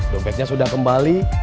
dompetnya sudah kembali